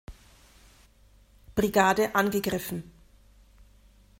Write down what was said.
Brigade angegriffen.